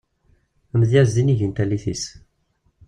Amedyaz d inigi n tallit-is.